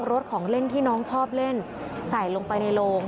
รถของเล่นที่น้องชอบเล่นใส่ลงไปในโลง